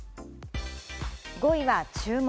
５位は注目。